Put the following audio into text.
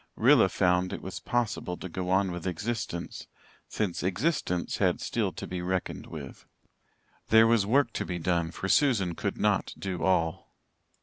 Rilla found it was possible to go on with existence, since existence had still to be reckoned with. There was work to be done, for Susan could not do all.